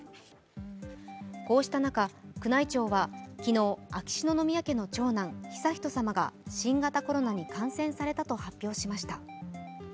こうした中、宮内庁は昨日秋篠宮家の長男、悠仁さまが新型コロナに感染されたと発表しました。